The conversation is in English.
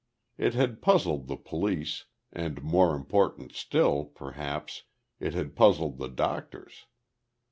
It had puzzled the police, and, more important still, perhaps, it had puzzled the doctors.